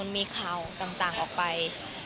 มีข่าวต่างออกไป